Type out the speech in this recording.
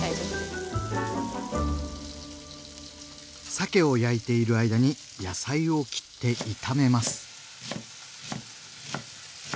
さけを焼いている間に野菜を切って炒めます。